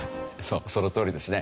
そのとおりですね。